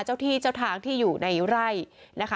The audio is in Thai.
เจ้าที่เจ้าทางที่อยู่ในไร่นะคะ